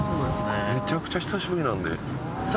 めちゃくちゃ久しぶりなので。